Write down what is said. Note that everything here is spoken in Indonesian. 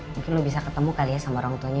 mungkin lo bisa ketemu kali ya sama orang tuanya